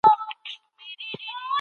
هغه ډېره ارامه ساه اخلي.